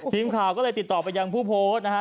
ทีมข่าวก็เลยติดต่อไปยังผู้โพสต์นะฮะ